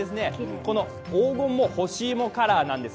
この黄金も干し芋カラーなんです。